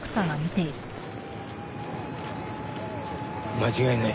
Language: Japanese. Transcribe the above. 間違いない。